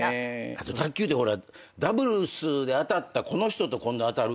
あと卓球ってダブルスで当たったこの人と今度当たることもある。